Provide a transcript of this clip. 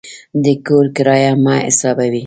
د کور کرایه یې مه حسابوئ.